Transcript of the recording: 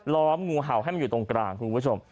้อมงูเห่าให้มันอยู่ตรงกลางคุณผู้ชม